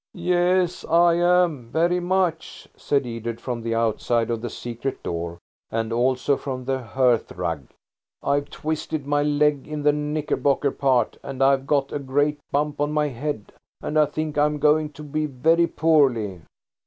"Yes, I am–very much," said Edred, from the outside of the secret door, and also from the hearthrug. "I've twisted my leg in the knickerbocker part, and I've got a great bump on my head, and I think I'm going to be very poorly."